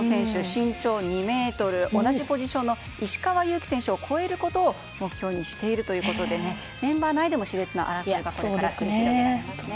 身長２ｍ、同じポジションの石川祐希選手を超えることを目標にしているということでメンバー内でも熾烈な争いがこれから繰り広げられますね。